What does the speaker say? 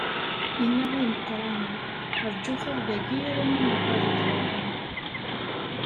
Inna i imeqqranen: Rǧut-aɣ dagi alamma nuɣal-d ɣur-wen.